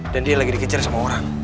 dan dia lagi dikejar sama orang